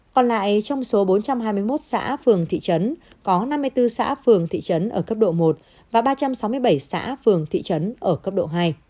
còn lại trong số bốn trăm hai mươi một xã phường thị trấn có năm mươi bốn xã phường thị trấn ở cấp độ một và ba trăm sáu mươi bảy xã phường thị trấn ở cấp độ hai